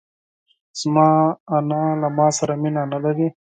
زما نیا له ماسره مینه نه لري.